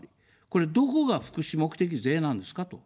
これ、どこが福祉目的税なんですかと。